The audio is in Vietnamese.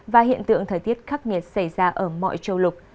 và hiện tượng thời tiết khắc nghiệt xảy ra ở mọi châu lục